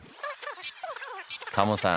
タモさん